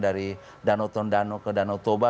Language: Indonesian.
dari danau tondano ke danau toba